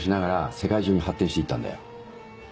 世界中に発展していったんだよ。